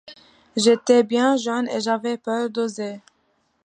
J'étais bien jeune et j'avais peur d'oser.